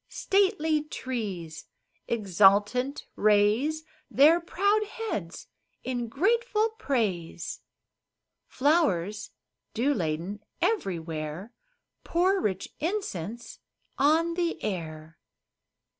Stately trees, exultant, raise Their proud heads in grateful praise ; Flowers, dew laden, everywhere Pour rich incense on the air.